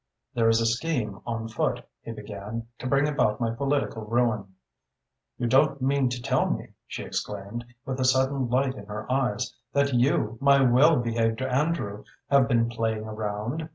"There is a scheme on foot," he began, "to bring about my political ruin." "You don't mean to tell me," she exclaimed, with a sudden light in her eyes, "that you, my well behaved Andrew, have been playing around?